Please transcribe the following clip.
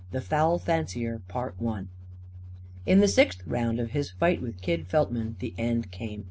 THE FOUL FANCIER In the sixth round of his fight with Kid Feltman, the end came.